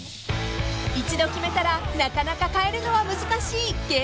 ［一度決めたらなかなか変えるのは難しい芸名］